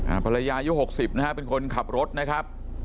ภรรยายุคหกสิบนะฮะเป็นคนขับรถนะครับ